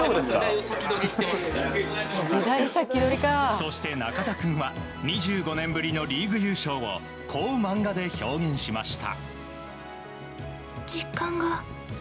そして、ＮＡＫＡＴＡ君は２５年ぶりのリーグ優勝をこう漫画で表現しました。